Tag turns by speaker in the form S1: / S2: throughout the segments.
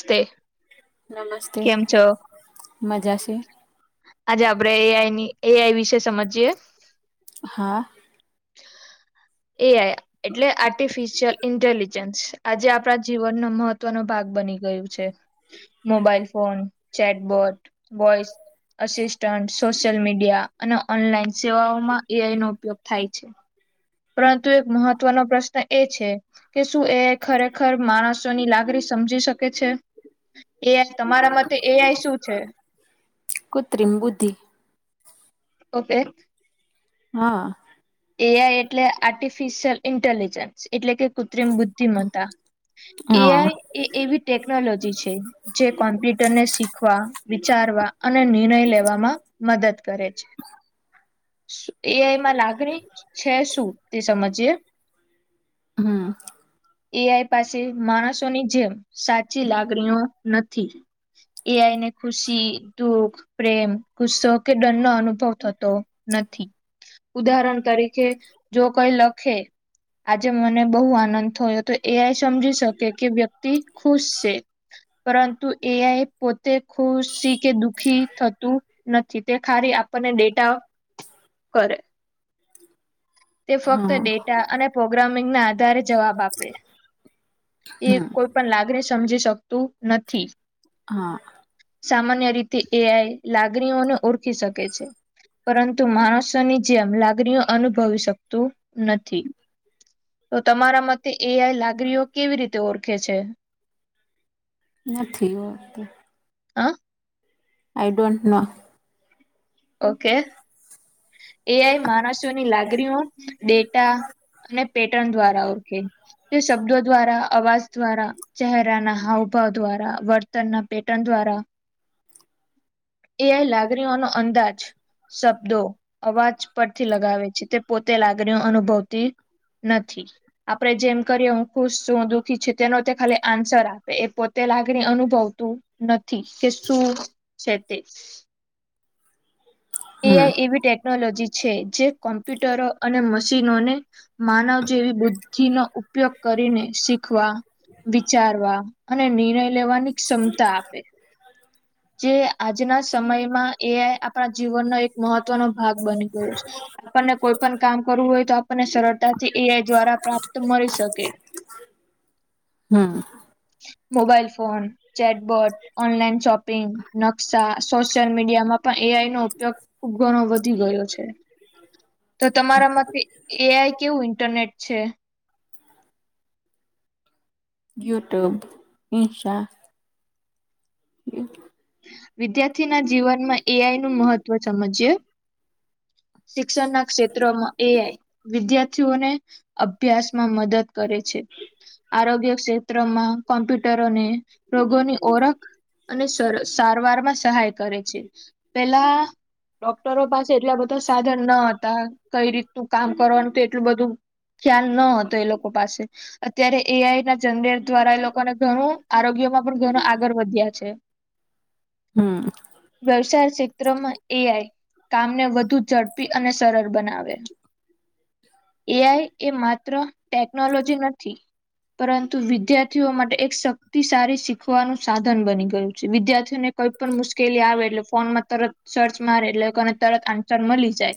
S1: સ્તે, કેમ છો?
S2: મજાસે
S1: આજે, આપડે એઆઈની, એઆઈ વિશે સમજીયે
S2: હા
S1: એ આઈ એટલે આર્ટિફિશિયલ ઇન્ટેલિજન્સ આજે આપણા, જીવનનો મહત્વનો ભાગ બની ગયું છે, mobile phone, chatbot, voice assistant, social media અને ઓનલાઈન સેવાઓમા, એઆઈ નો ઉપયોગ થાય છે. પરંતુ એક મહત્વનો પ્રશ્ન એ છે કે શું એ ખરેખર માણસોની લાગણી સમજી શકે છે એ આઈ તમારા મતે એઆઈ શું છે?
S2: કૃત્રિમ બુદ્ધિ
S1: ઓકે
S2: હા
S1: એ આઈ એટલે આર્ટિફિશિયલ ઇન્ટેલિજન્સ એટલે કે કૃત્રિમ બુદ્ધિમતા એ
S2: હા
S1: આઈ એ એવી ટેકનોલોજી છે જે કોમ્પ્યુટરને શીખવા વિચા કરવા અને નિર્ણય લેવામાં મદદ કરે છે. એ આઈમાં લાગણી છે શું તે સમજીએ
S2: હમ
S1: એ આઈ પાસે માણસોની જેમ સાચી લાગણીઓ નથી એ આઈને ખુશી, દુઃખ પ્રેમ, ગુસ્સો કે દંડ નો અનુભવ થતો નથી ઉદાહરણ તરીકે જો કોઈ લખે આજે મને બહુ આનંદ થયો તો એઆ ઈ સમજી શકે કે વ્યક્તિ ખુશ છે પરંતુ એ આઈ એ પોતે ખુશી કે દુખી થતું નથી તે ખારી આપણને ડેટા કરે
S2: [inaudible]
S1: તે ફક્ત
S2: હા
S1: ડેટા અને પ્રોગ્રામિંગ ના આધારે જવાબ આપે એ
S2: હમ
S1: કોઈ પણ લાગણી સમજી શકતું નથી
S2: હા
S1: સામાન્ય રીતે એ આઈ લાગણીઓનો ઓળખી શકે છે. પરંતુ માણસોની જેમ લાગણીઓ અનુભવી શક તું નથી તો તમારા મતે એ આઈ લાગ ગ્રીઓ કેવી રીતે ઓરખે છે?
S2: નથી વાગતું
S1: uh
S2: I don't know
S1: okay A I માણસોની લાગણીઓ, ડેટા અને પેટર્ન દ્વારા ઓળખે તે શબ્દો દ્વારા અવાજ દ્વારા ચહેરા ના હાવભાવ દ્વારા વર્તન ના પેટર્ન દ્વારા એ આઈ લાગણીઓનો અંદાજ શબ્દો અવાજ પરથી લગાવે છે તે પોતે લાગણીઓ અનુભવતી નથી આપડે જેમ કરીએ હું ખુશ છું દુઃખી છ તેનો તે ખાલી આન્સર આપે એ પોતે લાગણી અનુભવતું નથી કે શું છે [inaudible] એ
S2: હમ
S1: આઈ એવી ટેકનોલોજી છે જે કોમ્પ્યુટરો અને મશીનોને માનવ જેવી બુદ્ધિનો ઉપયોગ કરીને શીખવા વિચારવા અને નિર્ણય લેવાની ક્ષમતા આપે જે આજના સમયમાં એ આપડા જીવનનો એક મહત્વનો ભાગ બની ગયો છે આપણને કોઈ પણ કામ કરવું હોય તો આપણને સરળતાથી એ આઈ દ્વારા પ્રાપ્ત મળી શકે [inaudible]
S2: હમ
S1: mobile phone chatbot online shopping નકશા સોશિયલ મીડિયામાં પણ એ આઈ નો ઉપયોગ ખુબ ઘણો વધી ગયો છે તો તમારા મતે એ આઈ કેવું ઇન્ટરનેટ છે?
S2: યુટ્યુબ, ઈન્શા એ
S1: વિદ્યાર્થીના જીવનમાં એ આઈ નું મહત્ત્વ સમજીએ શિક્ષણના ક્ષેત્રમાં એ આઇ વિદ્યા થીઓને અભ્યાસમાં મદદ કરે છે આરોગ્ય ક્ષેત્રમાં કોમ્પ્યુટ કરો ને રોગોની, ઓળખ અને સરસ, સારવારમા સહાય કરે છે, પેલા ડોક્ટરો પાસે એટલા, બધા સાધન ન હતા, કઈ રીતનું કામ કરવાનું તો એટલું બધું ખ્યાલ ન હતો, એ લોકો પાસે અત્યારે, એઆઈના જનરેટ, દ્વારા એ લોકોને ઘણું આરોગ્ય મા પણ ઘનો આગળ, વધ્યા છે.
S2: હમ્મ.
S1: વ્યવસાર ક્ષેત્રોમા, એ આય કામને વધુ ઝડપી, અને સરળ બનાવે એઆઈ, એ માત્ર ટેકનોલોજી નથી. પરંતુ વિદ્યાર્થીઓ, માટે એક શક્તિશાળી શીખવાનું સાધન બની ગયું વિદ્યાર્થીઓને કોઈ, પણ મુશ્કેલી આવે એટલે ફોનમાં, તરત સર્ચ મારે એટલેને તરત આન્સર મલી જાય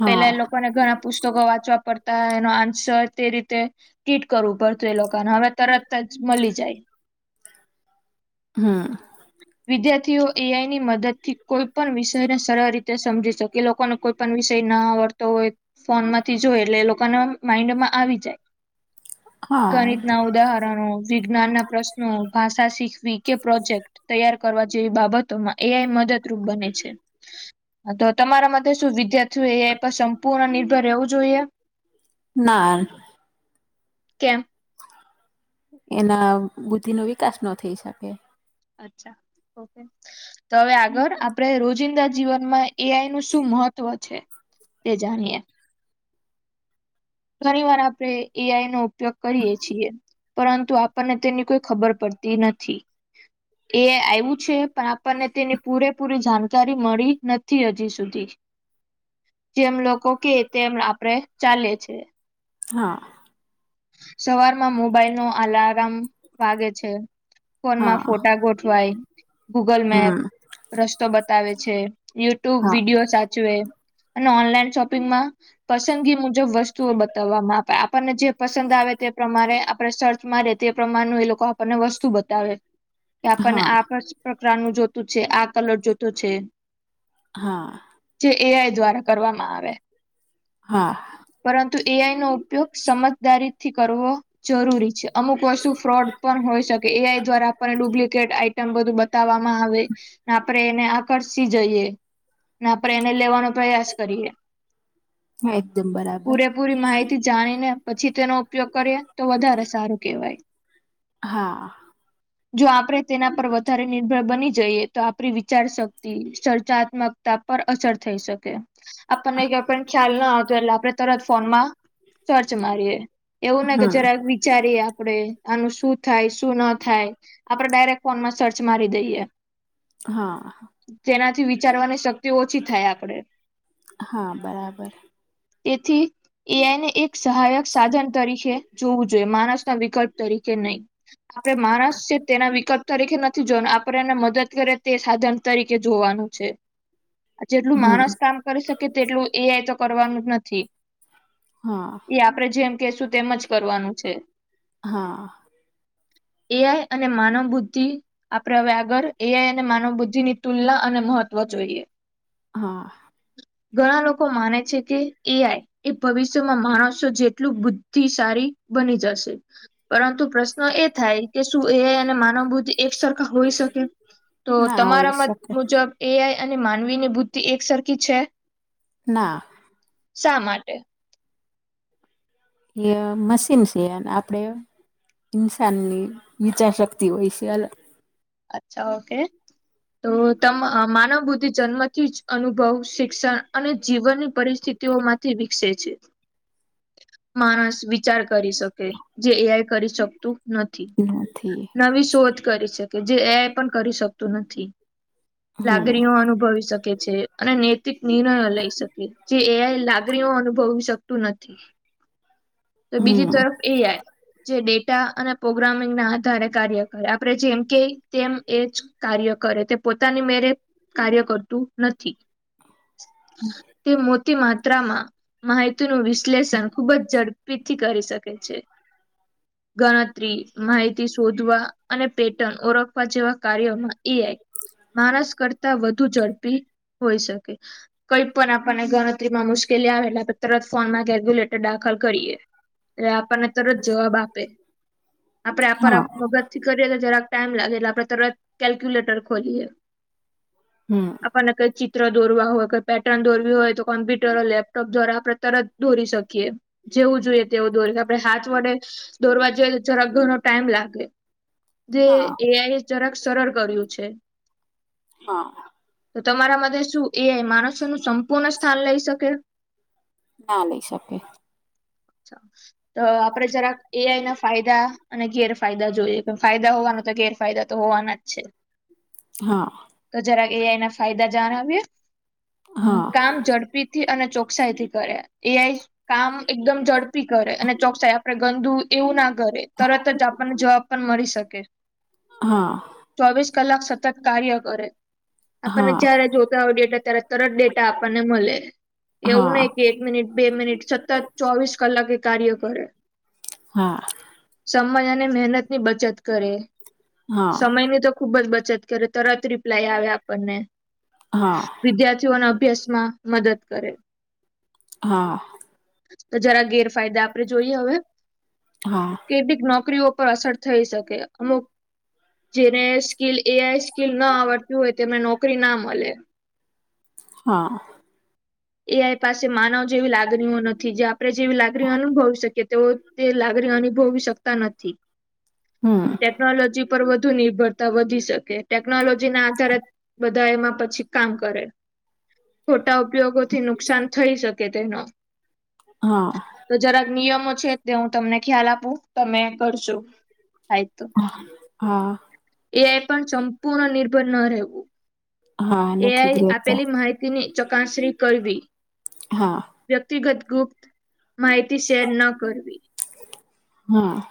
S2: હા
S1: પેલા એ લોકોને, ઘણા પુસ્તકો વાંચવા પડતા એનો આન્સર તે રીતે કીટ કરવું પડતું, એ લોકોને હવે, તરત જ મળી જાય.
S2: હા
S1: થીઓ એઆઈની મદદથી, કોઈ પણ વિષયને સરળ રીતે સમજી શકે. કે લોકોને કોઈ પણ વિષયના આવડતો હોય, ફોન માંથી જોય, એટલે એ લોકોના માઈન્ડમાં આવી જાય
S2: હા
S1: ગણિતના ઉદાહરણો, વિજ્ઞાન ના પ્રશ્નો ભાષા શીખવી કે પ્રોજેક્ટ તૈયાર કરવા જેવી, બાબતોમાં એઆઈ મદદરૂપ બને છે, મદદ તમારા માટે શું વિદ્યાર્થીઓ, એ સંપૂર્ણ નિર્ભર રહેવું જોઈએ.
S2: ના
S1: કેંમ
S2: એના બુદ્ધિનો વિકાસ ન થઈ, શકે
S1: અચ્છા હવે, આગળ આપડે રોજિંદા જીવનમાં, એ આઈ નું શું મહત્વ છે. તેજાણી એ ઘણી વાર આપડે એઆઈનો ઉપયોગ કરીયએ, છીએ. પરંતુ આપણને તેની કોઈ ખબર, પડતી નથી. એ આવ્યું છે, પણ આપણને તેની પૂરેપૂરી જાણકારી મળી નથી, હજી સુધી જેમ લોકો કે તેમ આપડે ચાલે છે.
S2: હા.
S1: સવારમાં મોબાઈલ, નો અલારાર્મ વાગે છે. ફોનમાં
S2: હા
S1: ફોટા ગોઠવાય ગૂગલ, મેપ
S2: હમ
S1: રસ્તો બતાવે છે, યુટ્યુબ
S2: હા
S1: વિડીિયો સાચવે અને ઓનલાઈન શોપિંગમાં પસંદગી મુજબ વસ્તુઓ, બતાવવામાં આ આપણને જે પસંદ આવે, તે પ્રમાણે આપણે સર્ચ મારે તે પ્રમાનું એ લોકો આપણને વસ્તુ, બતાવે કે આપણને
S2: હા હા
S1: આ નું જોતું છે, આ કલર જોતો છે.
S2: હા
S1: જે એઆઈ, દ્વારા કરવામાં આવે
S2: હા
S1: પરંતુ એઆઈ નો ઉપયોગ, સમજદારીથી કરવો જરૂરી છે. અમુક વસ્તુ ફ્રોડ પણ હોય, શકે એ આઈ દ્વારા આપણને ડુપ્લિકેટ આઈટમ બધું બતાવવામાં આવે આપે એને આકર્ષી જઈએ. ના આપણે એને લેવાનો, પ્રયાસ કરીએ
S2: હા, એકદમ બરાબર
S1: પૂરેપૂરી માહિતી જાણીને પછી, તેનો ઉપયોગ કરીએ તો વધારે સારું કહેવાય [unintelligible]
S2: હા
S1: જો આપડણે તેના પર વધારે નિર્ભર બની જઈએ, તો આપણી વિચાર શક્તિ સર્ચાત્મકતા પર અસર થઈ, શકે આપણને ક ખ્યાલના આવતો એટલે આપણે તરત ફોનમાં સર્ચ મારીએે એવું, ને કે
S2: હમ
S1: જરાક વિચારીએ આપણેે આનું શું થાય શું ના થાય આપડે ડાયરેક્ટ ફોનમાં સર્ચ મારી દઈએ
S2: હા
S1: તેનાથી વિચારવાની શક્તિ ઓછી થાય આપણેે
S2: હા બરાબર
S1: તેથી એઆઈને એક સહાયક સાધન તરીકે જોવું જોઈએ માણસના વિકલ્પ તરીકે નહીં આપડે માણસ છે તેના વિકલ્પ તરીકે નથી જોને આપને મદદ કરે તે સાધન તરીકે જોવાનું છે જેટલું માણસ
S2: હમ
S1: કામ કરી શકે તેટલું એઆઈ તો કરવાનું જ નથી
S2: હા
S1: એ આપડે જેમ કેશું તેમજ કરવાનું છે
S2: હા
S1: [unintelligible] એઆઈ અને માનવ બુદ્ધિ આપ વ્યાગર એઆઈ અને માનવ બુદ્ધિ ની તુલના અને મહત્વ જોઈએ
S2: હા
S1: ઘણા લોકો માને છે કે એ આઈ એ ભવિષ્યમાં માણસો જેટલું બુદ્ધિશળી બની જશે પરંતુ પ્રશ્ન એ થાય કે શું એ અને માનવ બુદ્ધિ એક સરખા હોઈ શકે તો
S2: ના હોય
S1: તમારા મત
S2: શકે
S1: મુજબ એઆઈ અને માનવી ની બુદ્ધિ એક સરખી છે
S2: ના
S1: શા માટે
S2: મશીન છે આપડે ઇન્સાનની વિચારશક્તિ હોય છેલ
S1: અચ્છા ઓકે તો તમ માનવ બુદધિ જન્મથી જ અનુભવ શિક્ષણ અને જીવનની પરિસ્થિતિ તેઓમાંથી વિકસે છે માણસ વિચાર કરી શકે જે એઆઈ કરી શકતું નથી
S2: નથી
S1: નવી શોધ કરી શકે જે એ પણ કરી શકતું નથી
S2: હમ
S1: લાગણીઓ અનુભવી શકે છે અને નૈતિક નિર્ણયો લઈ શકે જે એ લાગણી રીઓ અનુભવી શકતું નથી તો બીજી
S2: હમ
S1: તરફ એ આય જે ડેટા અને પ્રોગ્રામિંગ ના આધારે કાર્ય કરે આપણે જેમ કે તેમ એ જ કાર્ય કરે તે પોતાની મેરે કાર્ય કરતું નથી [unintelligible] તે મોટી માત્રામાં માહિતીનું વિશ્લેષણ ખુબ જ ઝડપીથી કરી શકે છે ગણતરી માહિતી શોધવા અને ઓળખવા જેવા કાર્યોમાં એ આઈ માણસ કરતા વધુ ઝડપી હોય શકે કંઈ પણ આપણને ગણતરીમાં મુશ્કેલી આવે એટલા તરત ફોનમાં કેલ્ક્યુલેટર દાખલ કરીએ એ આપણને તરત જવાબ આપે આપડે
S2: હા
S1: આપ મગત થી કરીએ તો જરાક ટાઈમ લાગે આપણે તર કેલ્ક્યુલેટર ખોલી
S2: હમ
S1: આપને ક દોરવા હોય કોઈ પેટર્ન દોરવી હોય તો કોમ્પ્યુટર લેપટોપ દ્વારા આપણે તરત દોરી શકીએ જેવું જોઈએ તેવું દોરી આપડણે હાથ વડે દોરવા જઈએ તો જરા ઘણો ટાઈમ લાગે જે
S2: હા
S1: એઆઈ એ જરાક સરળ કર્યું છે
S2: હા
S1: તમારા માટે શું એ માણસોનું સંપૂર્ણ સ્થાન લઈ શકે
S2: ના લઈ શકે
S1: ચાસ તો આપડે જરાક એઆઈ ના ફાયદા અને ગેરફાયદા જોઈએ કે ફાયદા હોવાનું તો ગેરફાયદા તો હોવાના જ છે
S2: હા
S1: એ એના ફાયદા જણાવએ
S2: હા
S1: કામ ઝડપી થી અને ચોકસાઈ થી કરે એઈ કામ એકદમ ઝડપી કરે અને ચોક્કસાય આપડે ગંદુ એવું ના કરે તરત જ આપણને જવાબ પણ મળી શકે
S2: હા
S1: ચોવીસ કલાક સતત કાર્ય, કરે આપણને
S2: હા
S1: જય્યારે જોતા, હો ડેટા ત્યારે તરત ડેટા આપણને મળે એવું
S2: હા
S1: નહિ, કે એક મિનિટ બે મિનિટ સતત ચોવીસ કલાકે, એ કાર્ય કરે
S2: હા.
S1: જ અને મહેનત ની બચત, કરે
S2: હા હા
S1: સમયની તો ખુબજ બચત કર કરે, તરત રિપ્લાય આવે આપણને
S2: હા
S1: વિદ્યાર્થીઓના અભ્યાસ મા મદદ કરે
S2: હા
S1: તો જરા ગેરફાયદા, આપે જોઈએ, હવે કેટલીક નોકરીઓ પર અસર થઈ, શકે અમુક જેને સ્કીલ એઆઈ સ્કીલ, ન આવડતી હોય, તેમને નોકરી ના મળે
S2: હા
S1: એ આઈ પાસે માનવ જેવી, લાગણીઓ નથી, જે આપે જેવી, લાગણીઓ અનુભવી શકીએ તે તે લા ગાડી, અનુભવી શકતા નથી.
S2: હમ્મ.
S1: ટેકનોલોજી પર વધુ નિર્ભરતા વધી, શકે ટેકનોલોજીના આધારે બધા, એમાં પછી કામ કરે, ખોટા ઉપયોગો નુકસાન થઈ, શકે તેનો
S2: હા
S1: તો જરાક નિયમો છે, તે હ તમને ખ્યાલ આપું, તમે કરશો થ
S2: હા
S1: એઆઈ પણ સંપૂર્ણ નિર્ભર, ન રહેવું.
S2: હા નથી જ
S1: એઆઈ
S2: રહેતા
S1: આપેલી માહિતીની ચકાસણી, કરવી
S2: હા
S1: વ્યક્તિગત ગુપ્ત, માહિતી શેર ન કરવી.
S2: હા